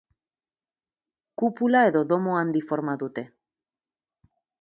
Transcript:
Kupula edo domo handi forma dute.